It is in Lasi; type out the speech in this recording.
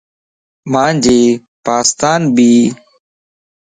مانجي پاستان ٻي